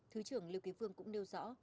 thứ trưởng lưu quý vương cũng nêu rõ